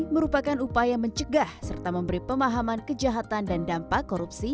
merupakan upaya mencegah serta memberi pemahaman kejahatan dan dampak korupsi